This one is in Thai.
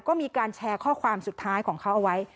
ก็มีการแชร์ข้อความสุดท้ายของเขาเอาไว้